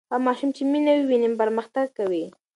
هغه ماشوم چې مینه ویني پرمختګ کوي.